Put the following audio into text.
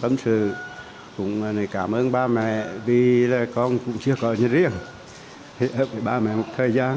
vẫn còn chưa hoàn thiện do tình hình mưa bão kéo dài